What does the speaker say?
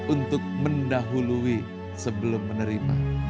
untuk mendahului sebelum menerima